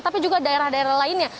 tapi juga daerah daerah lainnya